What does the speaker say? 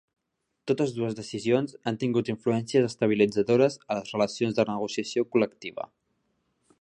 Totes dues decisions han tingut influències estabilitzadores a les relacions de negociació col·lectiva.